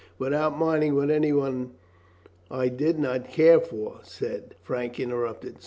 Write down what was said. "Without minding what any one I did not care for, said," Frank interrupted.